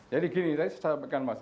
jadi gini tadi saya sampaikan mas